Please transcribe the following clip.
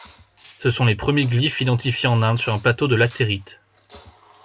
Ce sont les premiers glyphes identifiés en Inde sur un plateau de latérite.